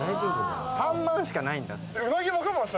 ３万円しかないんだって。